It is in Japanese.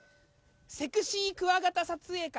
セクシークワガタ撮影会